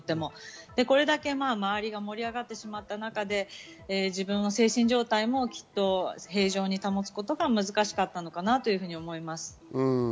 周りが盛り上がってしまった中で自分の精神状態も平常に保つことが難しかったのかなと思います。